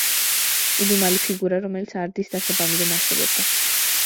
იდუმალი ფიგურა, რომელიც არდის დასაბამიდან არსებობდა.